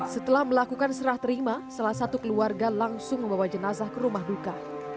setelah melakukan serah terima salah satu keluarga langsung membawa jenazah ke rumah duka